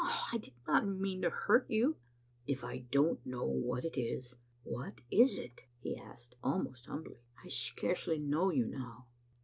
Ah! I did not mean to hurt you." " If I don't know what it is, what is it?" he asked, almost humbly. " I scarcely know you now."